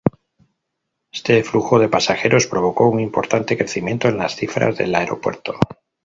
Este flujo de pasajeros provocó un importante crecimiento en las cifras del aeropuerto.